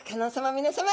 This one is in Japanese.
みなさま